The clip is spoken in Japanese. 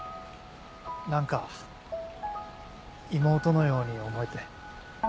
何か妹のように思えて。